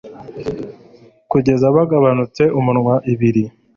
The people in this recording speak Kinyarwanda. kugeza bagabanutse, umunwa ibiri